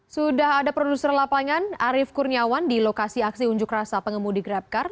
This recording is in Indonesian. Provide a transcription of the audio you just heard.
sudah ada produser lapangan arief kurniawan di lokasi aksi unjuk rasa pengemudi grabcar